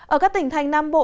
ở các tỉnh thành nam bộ